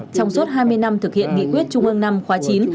trong suốt hai mươi năm thực hiện nghị